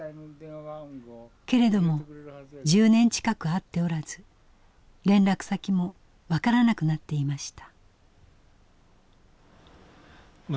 けれども１０年近く会っておらず連絡先も分からなくなっていました。